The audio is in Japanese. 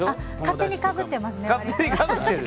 勝手にかぶってます。